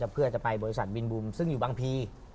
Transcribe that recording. เพื่อจะไปบริษัทวินบุมซึ่งอยู่บางพี